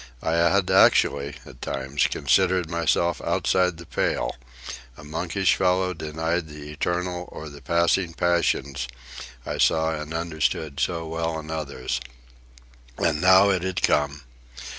I had actually, at times, considered myself outside the pale, a monkish fellow denied the eternal or the passing passions I saw and understood so well in others. And now it had come!